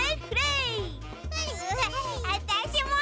わたしも！